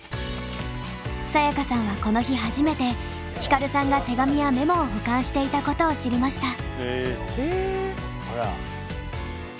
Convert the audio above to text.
サヤカさんはこの日初めてヒカルさんが手紙やメモを保管していたことを知りました。